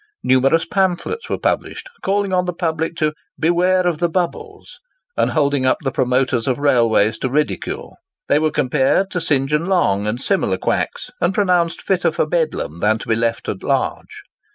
Numerous pamphlets were published, calling on the public to "beware of the bubbles," and holding up the promoters of railways to ridicule. They were compared to St. John Long and similar quacks, and pronounced fitter for Bedlam than to be left at large.